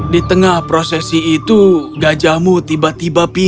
di tengah prosesi itu gajahmu tiba tiba